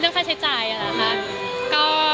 เรื่องค่าใช้จ่ายอะล่ะค่ะ